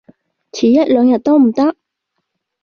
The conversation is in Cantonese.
遲一兩日都唔得？